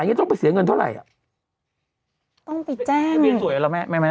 อย่างงี้ต้องไปเสียเงินเท่าไรอ่ะต้องไปแจ้งทะเบียนสวยหรอแม่แม่แม่